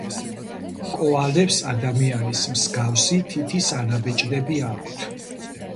კოალებს ადამიანის მსგავსი თითის ანაბეჭდები აქვთ